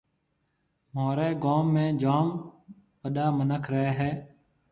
مهوريَ گوم جوم وڏا مِنک رهيَ هيَ۔